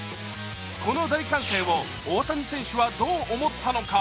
この大歓声を大谷選手はどう思ったのか。